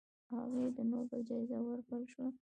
هغې ته د نوبل جایزه ورکړل شوه.